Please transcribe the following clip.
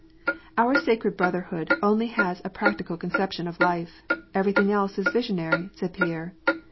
" Our sacred brotherhood only has a practical conception of life ; everything else is visionary," said Pierre.